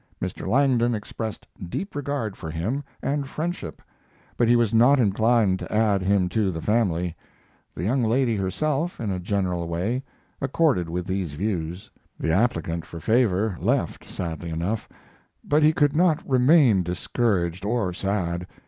Mr. Langdon expressed deep regard for him and friendship but he was not inclined to add him to the family; the young lady herself, in a general way, accorded with these views. The applicant for favor left sadly enough, but he could not remain discouraged or sad.